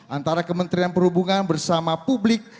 antara kementerian perhubungan bersama publik